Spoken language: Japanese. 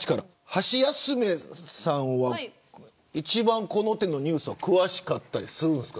ハシヤスメさんは一番この手のニュースは詳しかったりするんですか。